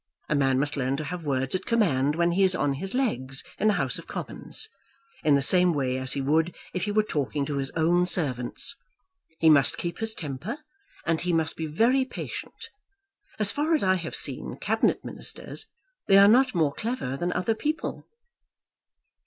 A man must learn to have words at command when he is on his legs in the House of Commons, in the same way as he would if he were talking to his own servants. He must keep his temper; and he must be very patient. As far as I have seen Cabinet Ministers, they are not more clever than other people."